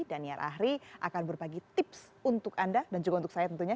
daniel ahri akan berbagi tips untuk anda dan juga untuk saya tentunya